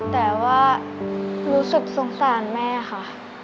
แต่ว่ารู้สึกสงสารแม่ค่ะ